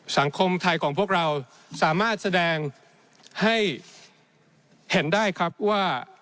สังคมไทยของพวกเราสามารถแสดงให้เห็นได้ครับว่า